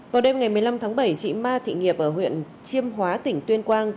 vào đêm ngày một mươi năm tháng bảy chị ma thị nghiệp ở huyện chiêm hóa tỉnh tuyên quang